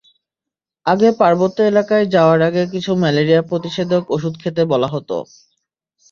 আগে পার্বত্য এলাকায় যাওয়ার আগে কিছু ম্যালেরিয়া প্রতিষেধক ওষুধ খেতে বলা হতো।